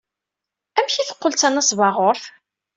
Amek ay teqqel d tanesbaɣurt?